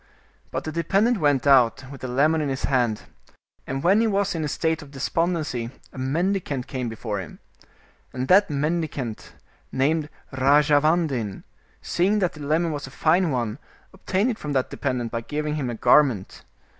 But the dependent went out, with the lemon in his hand, and when he was in a state of despondency, a mendicant came before him. And that mendicant, named Rajavandin, seeing that the lemon was a fine one, obtained it from that dependent by giving him a garment.